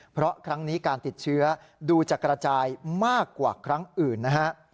เพราะครั้งนี้การติดเชื้อดูจะกระจายมากกว่าครั้งอื่นนะฮะ